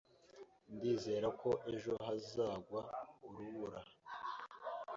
Ndizera ko ejo hazagwa urubura.